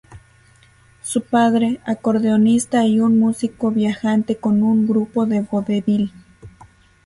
Su padre acordeonista y un músico viajante con un grupo de vodevil.